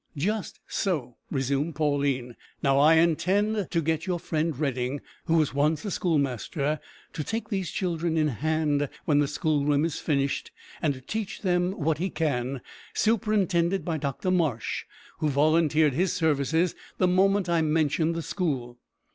"Just so," resumed Pauline. "Now, I intend to get your friend Redding, who was once a schoolmaster, to take these children in hand when the schoolroom is finished, and teach them what he can, superintended by Dr Marsh, who volunteered his services the moment I mentioned the school.